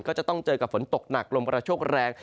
ก็จะต้องเจอกับฝนตกหนักลมกระโชคแรง